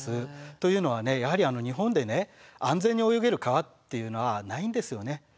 というのはやはり日本で安全に泳げる川っていうのはないんですよね。